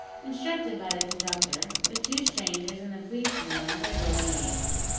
Instructed by the conductor, the two strangers and the policemen lent their willing aid.